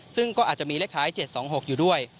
ซึ่งก็อาจจะมีเลขท้าย๗๒๖อยู่ด้วย